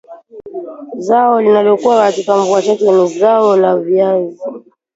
Zao linalokua katika mvua chache ni zao la viazi